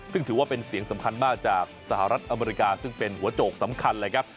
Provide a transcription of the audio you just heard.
ซึ่งถือว่าเป็นเสียงสำคัญมากจากสหรัฐอเมริกาซึ่งเป็นหัวโจกสำคัญเลยครับ